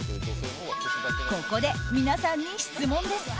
ここで皆さんに質問です。